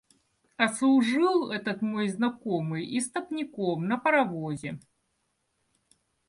А служил этот мой знакомый истопником на паровозе.